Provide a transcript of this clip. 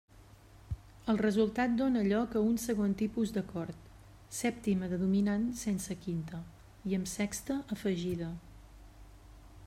El resultat dóna lloc a un segon tipus d'acord: sèptima de dominant sense quinta, i amb sexta afegida.